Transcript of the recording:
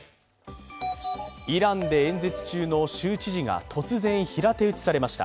イランで演説中の州知事が突然平手打ちされました。